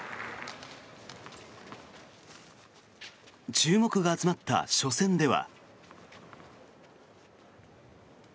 注目が集まった初戦では。